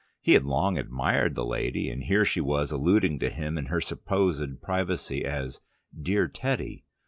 He had long admired the lady, and here she was alluding to him in her supposed privacy as "dear Teddy."